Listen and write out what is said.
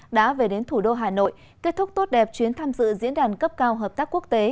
đã về đến thủ đô hà nội kết thúc tốt đẹp chuyến tham dự diễn đàn cấp cao hợp tác quốc tế